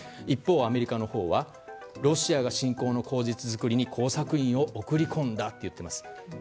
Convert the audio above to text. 一方、アメリカのほうはロシアが侵攻の口実づくりに工作員を送り込んだと言っています。